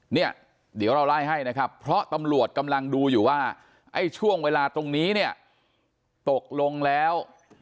เนี่ยเดี๋ยวเราไล่ให้นะครับเพราะตำรวจกำลังดูอยู่ว่าไอ้ช่วงเวลาตรงนี้เนี่ยตกลงแล้ว